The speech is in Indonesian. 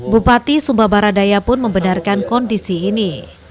bupati sumba baradaya pun membenarkan kondisi ini